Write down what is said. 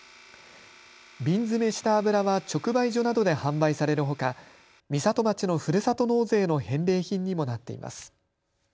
瓶詰めした油は直売所などで販売されるほか、美里町のふるさと納税の返礼品にもなっています。